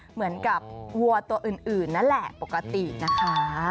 เหมือนกับวัวตัวอื่นนั่นแหละปกตินะคะ